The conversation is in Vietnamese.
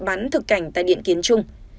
bán thực cảnh tại điện kiến trung